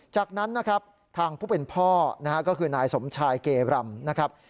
จากนั้นนะครับทางผู้เป็นพ่อนะฮะก็คือนายสมชายเกรำนะครับ